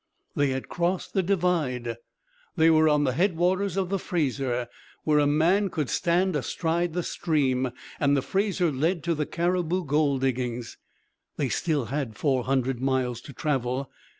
They had crossed the Divide. They were on the headwaters of the Fraser, where a man could stand astride the stream; and the Fraser led to the Cariboo gold diggings. They still had four hundred miles to travel.